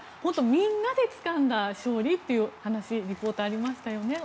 みんなでつかんだ勝利という話、リポートがありましたよね。